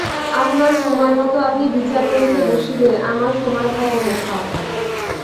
আপনার সময়মত আপনি বিচার করিতে বসিলে আমার সময় থাকে কোথা?